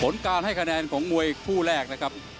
ผลการให้คะแนนของมวยคู่แรกนะครับ